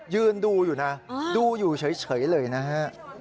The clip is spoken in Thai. ยืนดูอยู่นะดูอยู่เฉยเลยนะฮะ